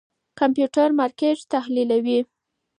کمپيوټر مارکېټ تحليلوي.